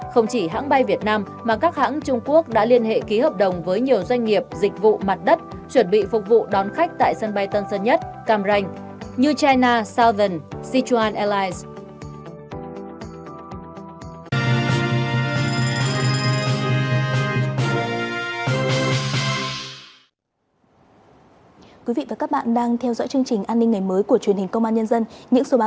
không chỉ hãng bay việt nam mà các hãng trung quốc đã liên hệ ký hợp đồng với nhiều doanh nghiệp dịch vụ mặt đất chuẩn bị phục vụ đón khách tại sân bay tân sân nhất cam ranh như china southern sichuan airlines